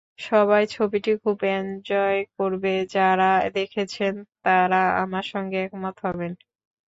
সবাই ছবিটি খুব এনজয় করবে, যাঁরা দেখেছেন, তাঁরা আমার সঙ্গে একমত হবেন।